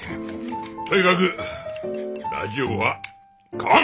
とにかくラジオは買わん！